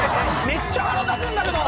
めっちゃ腹立つんだけど！